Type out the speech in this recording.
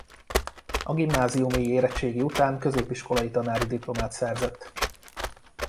A gimnáziumi érettségi után középiskolai tanári diplomát szerzett.